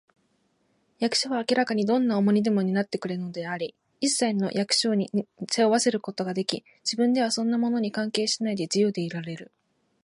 役所は明らかにどんな重荷でも担ってくれているのであり、いっさいを役所に背負わせることができ、自分ではそんなものに関係しないで、自由でいられる